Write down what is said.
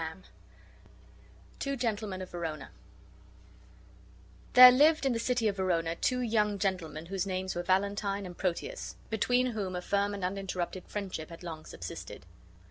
THE TWO GENTLEMEN OF VERONA There lived in the city of Verona two young gentlemen, whose names were Valentine and Proteus, between whom a firm and uninterrupted friendship had long subsisted.